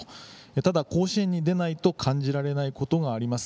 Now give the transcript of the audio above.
ただ、甲子園に出ないと感じられないことがあります。